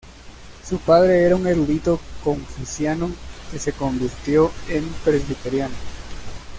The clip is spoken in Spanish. Su padre era un erudito confuciano que se convirtió en presbiteriano.